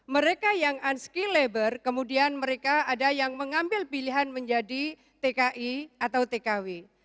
mereka yang unskile labor kemudian mereka ada yang mengambil pilihan menjadi tki atau tkw